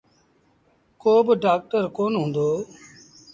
ڪو با ڊآڪٽر ڪونا هُݩدو۔